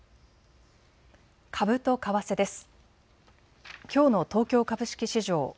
株と為替です。